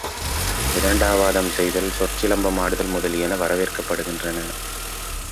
விதண்டாவாதம் செய்தல், சொற்சிலம்பம் ஆடுதல் முதலியன வரவேற்கப் படுகின்றன.